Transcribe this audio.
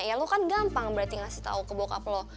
ya lo kan gampang berarti ngasih tau ke bokap lo